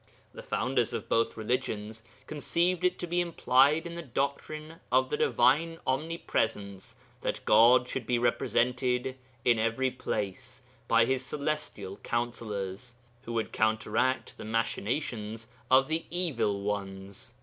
The founders of both religions conceived it to be implied in the doctrine of the Divine Omnipresence that God should be represented in every place by His celestial councillors, who would counteract the machinations of the Evil Ones.